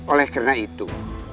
oleh karena itu